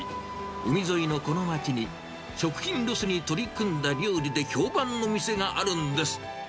海沿いのこの町に、食品ロスに取り組んだ料理で評判の店があるんです。